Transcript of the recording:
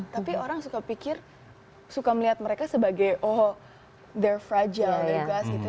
tapi orang suka pikir suka melihat mereka sebagai oh they're fragile they're glass gitu